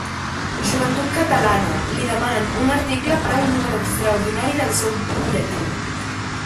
Joventut Catalana, li demanen un article per a un número extraordinari del seu butlletí.